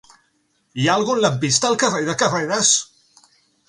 Hi ha algun lampista al carrer de Carreras?